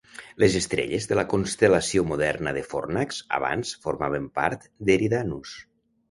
Les estrelles de la constel·lació moderna de Fornax abans formaven part d'Eridanus.